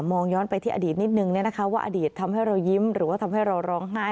ย้อนไปที่อดีตนิดนึงว่าอดีตทำให้เรายิ้มหรือว่าทำให้เราร้องไห้